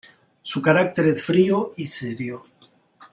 Su carácter es frío y serio.